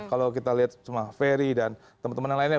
kalau kita lihat cuma ferry dan teman teman yang lainnya